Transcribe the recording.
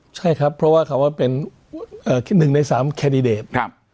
ใช่ครับเพราะว่าเขาว่าเป็น๑ใน๓แคนดิเดต